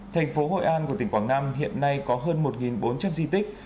thành phố hội an của tỉnh quảng nam hiện nay có hơn một bốn trăm linh di tích